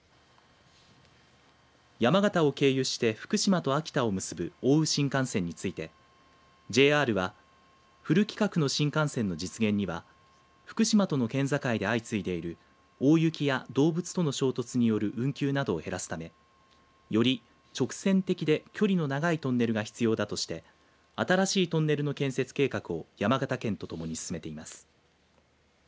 山形を経由して福島と秋田を結ぶ奥羽新幹線について、ＪＲはフル規格の新幹線の実現には福島との県境で相次いでいる大雪や動物との衝突による運休などを減らすためより直線的で距離の長いトンネルが必要だとして新しいトンネルの建設計画を山形県とともに進めています。